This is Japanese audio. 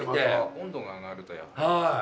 温度が上がるとやっぱり。